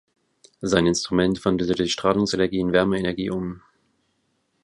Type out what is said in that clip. Sein Instrument wandelt die Strahlungsenergie in Wärmeenergie um.